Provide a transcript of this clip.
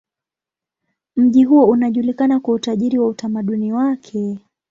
Mji huo unajulikana kwa utajiri wa utamaduni wake.